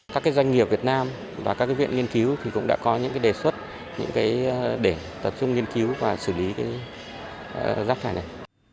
các doanh nghiệp việt nam và các viện nghiên cứu cũng đã có những đề xuất để tập trung nghiên cứu và xử lý rác thải này